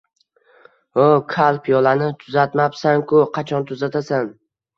Ho‘, kal, piyolani tuzatmabsan-ku, qachon tuzatasan